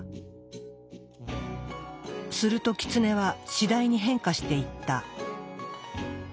するとキツネは次第に変化していった。